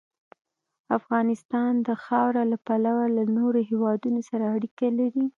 افغانستان د خاوره له پلوه له نورو هېوادونو سره اړیکې لري.